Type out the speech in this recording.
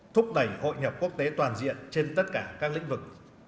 thúc đẩy hội nhập quốc tế toàn diện trên tất cả các lĩnh vực